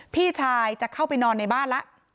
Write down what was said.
พี่ชายจะเข้าไปนอนในบ้านแล้ว